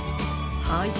はい。